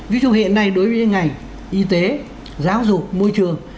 ví dụ hiện nay đối với những ngành y tế giáo dục môi trường